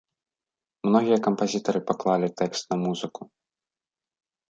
Многія кампазітары паклалі тэкст на музыку.